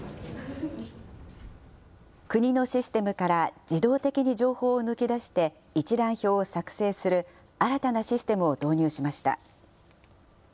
国のシステムから自動的に情報を抜き出して一覧表を作成する、新たなシステムを導入しました。